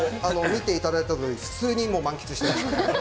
見ていただいたとおり普通に満喫していました。